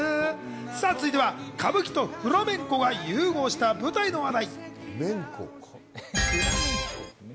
続いては歌舞伎とフラメンコが融合した舞台の話題。